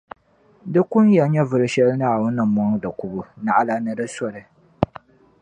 Di kun ya nyɛvuli shεli Naawuni ni mɔŋ di kubu naɣila ni di soli.